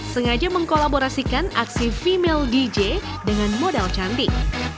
sengaja mengkolaborasikan aksi female dj dengan modal cantik